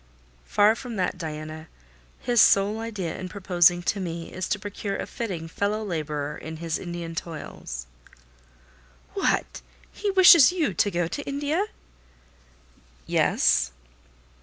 "Far from that, Diana; his sole idea in proposing to me is to procure a fitting fellow labourer in his Indian toils." "What! He wishes you to go to India?" "Yes."